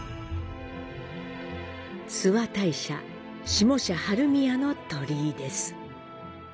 諏訪大社下社春宮の鳥居です。